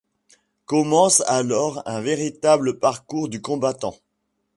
Commence alors un véritable parcours du combattant.